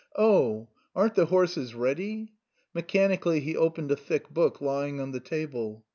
"O oh! Aren't the horses ready?" Mechanically he opened a thick book lying on the table.